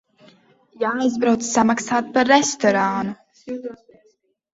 Jāaizbrauc samaksāt par restorānu.